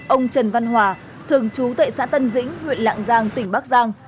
ông trần văn hòa thường trú tại xã tân dĩnh huyện lạng giang tỉnh bắc giang